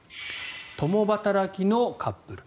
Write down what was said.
共働きのカップル。